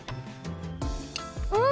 うん！